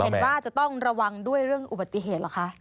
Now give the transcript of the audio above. เห็นว่าจะต้องระวังด้วยเรื่องอุบัติเหตุเหรอคะ